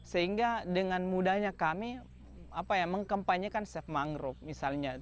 sehingga dengan mudahnya kami mengkompanyekan set mangrove misalnya